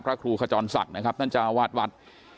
พระครูขจรศักดิ์นะครับตั้งจากวัด